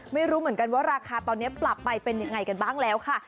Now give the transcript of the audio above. ไม่รู้เหมือนกันว่าราคาตอนนี้ปรับไปเป็นยังไงกันบ้างแล้วค่ะ